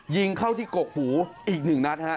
ยิงเข้าที่กกหูอีก๑นัดฮะ